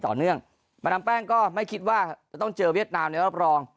ต่อเนื่องมาดามแป้งก็ไม่คิดว่าจะต้องเจอเวียดนามในรอบรอง